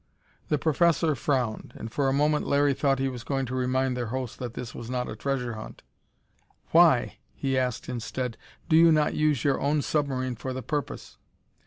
The professor frowned, and for a moment Larry thought he was going to remind their host that this was not a treasure hunt. "Why," he asked instead, "do you not use your own submarine for the purpose?"